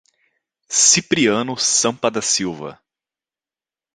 Cipriano Sampa da Silva